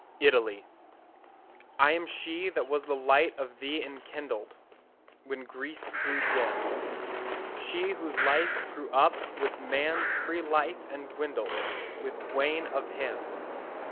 ITALY I am she that was the light of thee enkindled When Greece grew dim; She whose life grew up with man's free life, and dwindled With wane of him.